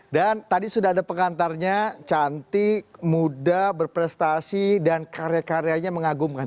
dan tadi sudah ada pengantarnya cantik muda berprestasi dan karya karyanya mengagumkan